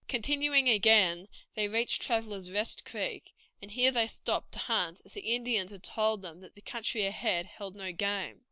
Continuing again, they reached Traveler's Rest Creek, and here they stopped to hunt, as the Indians had told them that the country ahead held no game.